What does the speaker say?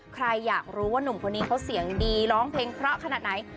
ใครอยากรู้ว่านุ่มคนนี้เขาเสียงดีร้องเพลงเพราะขนาดไหน